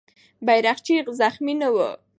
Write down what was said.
بیرغچی زخمي نه و.